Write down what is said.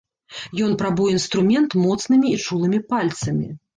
Ён прабуе інструмент моцнымі і чулымі пальцамі.